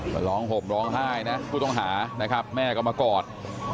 ก็ร้องห่มร้องไห้นะผู้ต้องหานะครับแม่ก็มากอด